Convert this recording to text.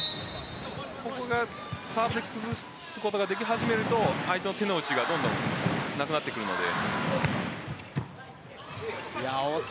ここをサーブで崩すことができ始めると相手の手のうちがなくなってくるので。